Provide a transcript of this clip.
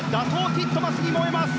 ティットマスに燃えます。